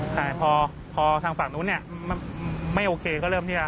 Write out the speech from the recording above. ใช่พอทางฝั่งนู้นไม่โอเคก็เริ่มที่